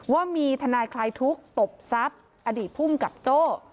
ว่ามีทนายคลายทุกข์ตบทรัพย์อดีตภูมิกับโจ้